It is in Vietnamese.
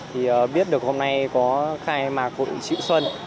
thì biết được hôm nay có khai mạc hội chữ xuân